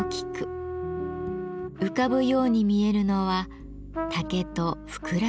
浮かぶように見えるのは竹とふくら雀。